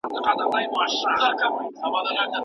د ټولني شعور باید لوړ سي.